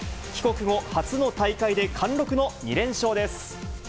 帰国後、初の大会で貫禄の２連勝です。